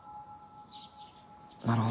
なるほど。